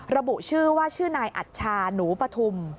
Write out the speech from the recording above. ระบุชื่อว่าชื่อนายอัชชาหนูปฐุม